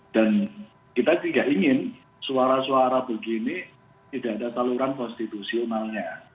dan kita juga ingin suara suara begini tidak ada taluran konstitusionalnya